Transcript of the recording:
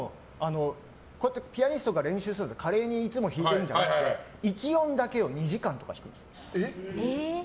ピアニストが練習すると、華麗にいつも弾いてるんじゃなくて１音だけを２時間とか弾くんですよ。